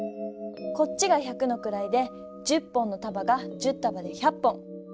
こっちが百のくらいで１０本のたばが１０たばで１００本。